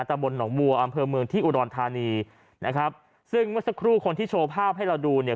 ตะบนหนองบัวอำเภอเมืองที่อุดรธานีนะครับซึ่งเมื่อสักครู่คนที่โชว์ภาพให้เราดูเนี่ย